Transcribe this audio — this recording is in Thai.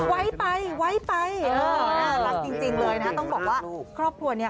ไวไปเออว่าจริงจริงเลยนะต้องบอกว่าครอบครัวเนี้ย